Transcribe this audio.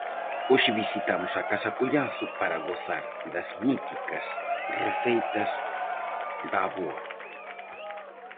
Hoxe visitamos a casa Collazo para gozar das míticas receitas da avoa.